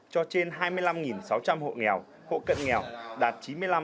cho trên hai mươi năm sáu trăm linh hộ nghèo hộ cận nghèo đạt chín mươi năm